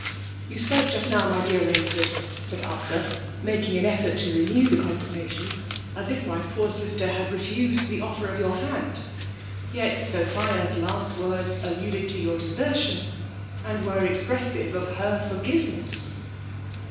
" You spoke just now, my dear Rainsford,'! said Arthur, making an effort to renew the conversation, —" as if my poor sister had re fiised the offer of your hand. Yet Sophia's last words alluded to your desertion, and were expressive of her forgiveness."